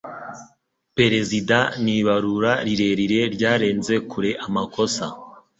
perezida n'ibarura rirerire ryarenze kure amakosa